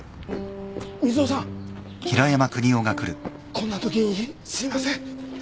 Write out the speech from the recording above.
こんなときにすいません。